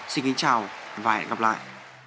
xin chào và hẹn gặp lại